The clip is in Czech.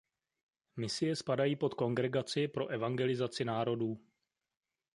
Misie spadají pod Kongregaci pro evangelizaci národů.